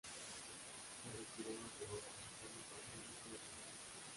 Se retiró a Tolosa, donde pasó el resto de su vida.